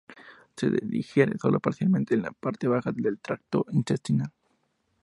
Se digiere sólo parcialmente en la parte baja del tracto intestinal.